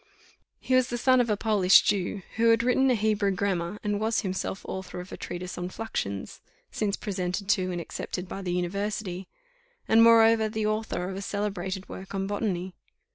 He was the son of a Polish Jew, who had written a Hebrew grammar, and was himself author of a treatise on fluxions (since presented to, and accepted by the university), and moreover the author of a celebrated work on botany.